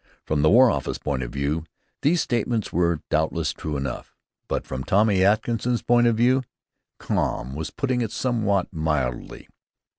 From the War Office point of view these statements were, doubtless, true enough. But from Tommy Atkins's point of view, "calm" was putting it somewhat mildly.